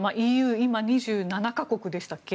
ＥＵは今２７か国でしたっけ。